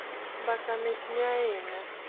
Mbaka mitni ahinya